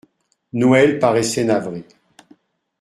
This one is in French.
Noël paraissait navré.